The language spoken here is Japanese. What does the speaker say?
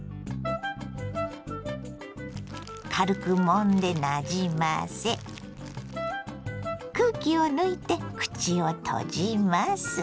軽くもんでなじませ空気を抜いて口を閉じます。